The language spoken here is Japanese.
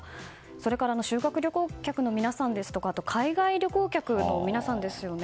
それから修学旅行客の皆さんですとか海外旅行客の皆さんですよね。